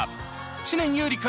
知念侑李君